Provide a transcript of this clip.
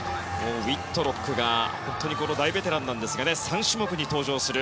ウィットロックが大ベテランなんですが３種目に登場する。